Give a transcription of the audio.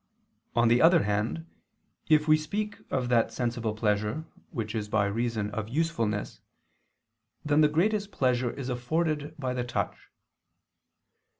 On the other hand, if we speak of that sensible pleasure which is by reason of usefulness, then the greatest pleasure is afforded by the touch.